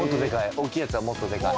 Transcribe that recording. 大きいやつはもっとでかい？